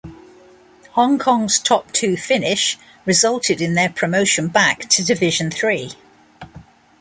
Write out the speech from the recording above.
Hong Kong's top two finish resulted in their promotion back to Division Three.